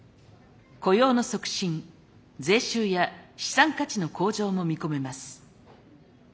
雇用の促進税収や資産価値の向上も見込めます。